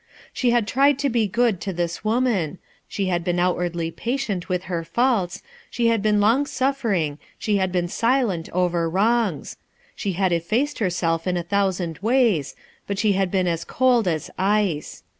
She had tried to be good to this woman, she had been outwardly patient with her faults, die had been long suffering, she had been silent over wrongs — she had effaced herself in a thousand ways, but she had been as cold as ice.